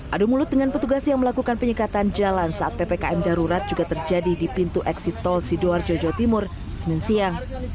adu mulut dengan petugas yang melakukan penyekatan jalan saat ppkm darurat juga terjadi di pintu eksit tol sidoarjo jawa timur senin siang